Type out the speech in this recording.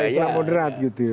islam moderat gitu